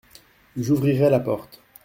J’ouvrirai la porte.